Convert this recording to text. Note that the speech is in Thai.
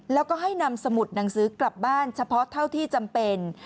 แล้วก็ให้นำสมุดหนังสือกลับบ้านเฉพาะเท่าที่จำเป็น